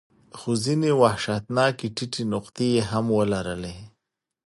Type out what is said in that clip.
خو ځینې وحشتناکې ټیټې نقطې یې هم ولرلې.